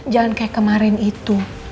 jangan kayak kemarin itu